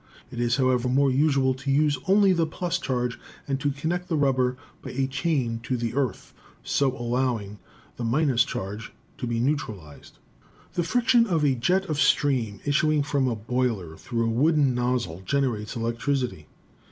It is, however, more usual to use only the f charge, and to connect the rubber by a chain to "earth," so allowing the — charge to be neutral ized. "The friction of a jet of steam issuing from a boiler, through a wooden nozzle, generates electricity.